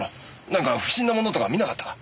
なんか不審なものとか見なかったか？